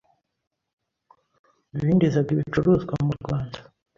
binjizaga ibicuruzwa mu Rwanda